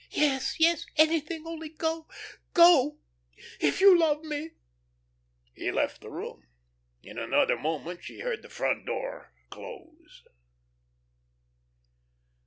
"Yes, yes, anything, only go, go if you love me!" He left the room. In another moment she heard the front door close.